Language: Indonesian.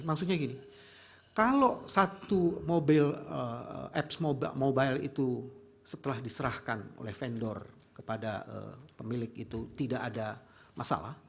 maksudnya gini kalau satu mobil apps mobile itu setelah diserahkan oleh vendor kepada pemilik itu tidak ada masalah